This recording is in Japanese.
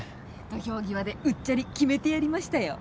土俵際でうっちゃり決めてやりましたよ。